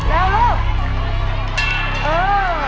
แล้วลูก